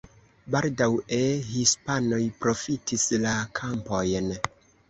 Baldaŭe hispanoj profitis la kampojn.